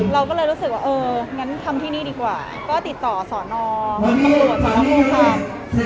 เราก็เลยรู้สึกว่าเอองั้นทำที่นี้ดีกว่าก็ติดต่อศนคตสรภูครับ